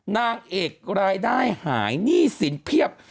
นางเอกรายได้หายหนี้สินเพียบ